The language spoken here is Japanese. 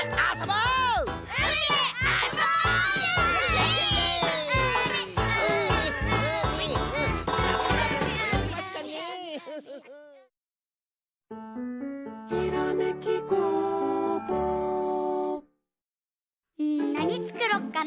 うんなにつくろっかな。